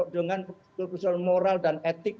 dengan moral dan etik